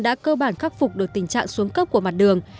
đã cơ bản khắc phục được tình trạng xuống cấp của mặt đường